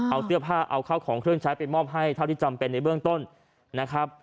เอาเสื้อผ้าเอาเข้าของเครื่องใช้ไปมอบให้เท่าที่จำเป็นในเบื้องต้นนะครับ